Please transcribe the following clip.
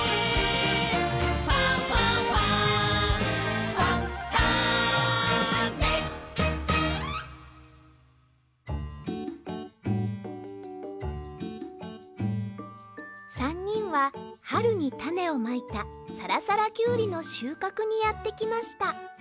「ファンファンファン」３にんははるにたねをまいたさらさらキュウリのしゅうかくにやってきました